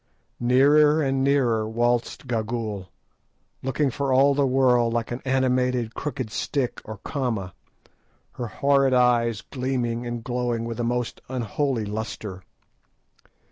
Nearer and nearer waltzed Gagool, looking for all the world like an animated crooked stick or comma, her horrid eyes gleaming and glowing with a most unholy lustre.